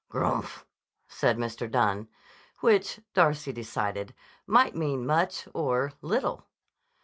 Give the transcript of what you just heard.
"Grmph!" said Mr. Dunne, which, Darcy decided, might mean much or little.